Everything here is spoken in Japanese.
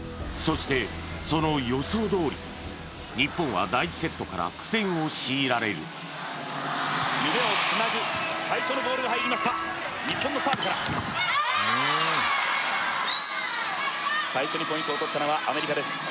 そしてその予想どおり日本は第１セットから苦戦を強いられる夢をつなぐ最初のボールが入りました日本のサーブから最初にポイントをとったのはアメリカです